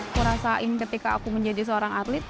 kurasa ini ketika aku menjadi seorang atlet